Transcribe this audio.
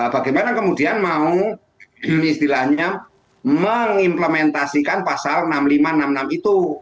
bagaimana kemudian mau istilahnya mengimplementasikan pasal enam ribu lima ratus enam puluh enam itu